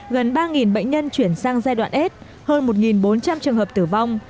gần ba bệnh nhân chuyển sang giai đoạn s hơn một bốn trăm linh trường hợp tử vong